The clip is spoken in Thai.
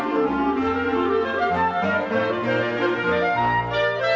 สวัสดีครับสวัสดีครับ